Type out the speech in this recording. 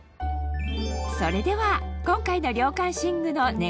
それでは今回の涼感寝具のはあ！